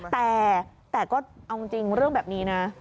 แต่ก็เอาจริงเรื่องแบบนี้นะ